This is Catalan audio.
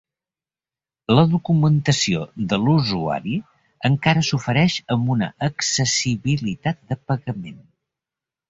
La documentació de l'usuari encara s'ofereix amb una accessibilitat de pagament.